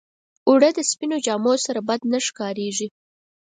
اوړه د سپينو جامو سره بد نه ښکارېږي